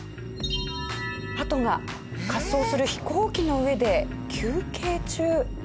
ハトが滑走する飛行機の上で休憩中。